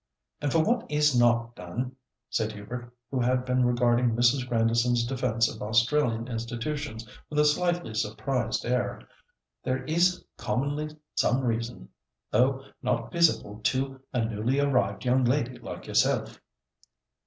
"And for what is not done," said Hubert, who had been regarding Mrs. Grandison's defence of Australian institutions with a slightly surprised air, "there is commonly some reason, though not visible to a newly arrived young lady like yourself."